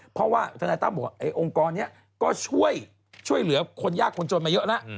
เพราะว่าธนายตั้มบอกว่าองค์กรนี้ก็ช่วยเหลือคนยากคนจนมาเยอะแล้ว